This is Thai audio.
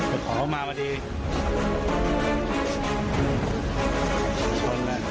ขโมยเนี้ยขโมยทำไมขโมยโดนแน่มึงโดนแน่แจ้งความแน่ครับ